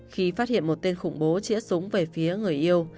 khi phát hiện một tên khủng bố chĩa súng về phía người yêu